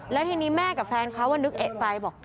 แล้วทีนี้แม่กับแฟนเขานึกเอกใจบอก